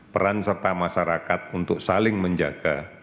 peran serta masyarakat untuk saling menjaga